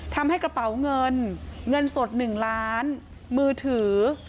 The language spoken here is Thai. ทำให้กระเป๋าเงินเงินสด๑ล้านมือถือ